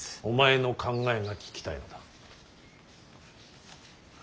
お前の考えが聞きたいのだ。